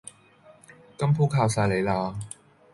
今鋪靠曬你啦！